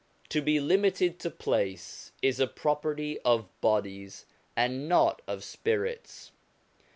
To be limited to place is a property of bodies and not of spirits.